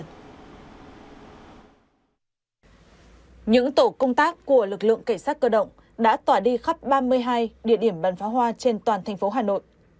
những tổ công tác của lực lượng cảnh sát cơ động đã tỏa đi khắp ba mươi hai địa điểm bắn phá hoa trên toàn thành phố hà nội